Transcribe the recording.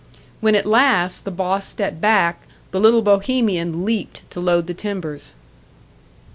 When at last the boss stepped back, the little Bohemian leaped to load the timbers.